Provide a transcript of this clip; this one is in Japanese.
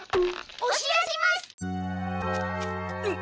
お知らせします！